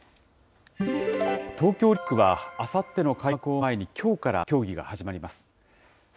東京オリンピックは、あさっての開幕を前に、きょうから競技が始まります。